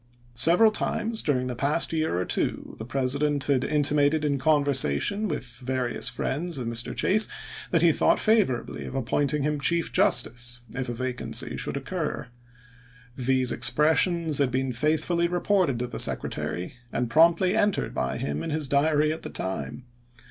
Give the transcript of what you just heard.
Several times during the past year or two the President had in timated in conversation with various friends of Mr. Chase that he thought favorably of appointing him chief justice if a vacancy should occur. These expressions had been faithfully reported to the Secretary, and promptly entered by him in his diary at the time.